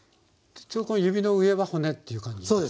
ちょうどこの指の上は骨っていう感じですか？